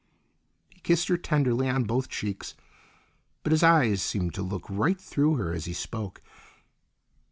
He kissed her tenderly on both cheeks, but his eyes seemed to look right through her as he spoke.